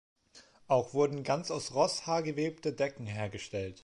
Auch wurden ganz aus Rosshaar gewebte Decken hergestellt.